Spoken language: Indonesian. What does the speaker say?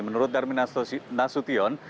menurut darmin nasution